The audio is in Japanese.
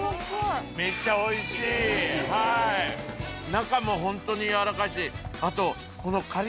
・中もホントに軟らかいしあとこの。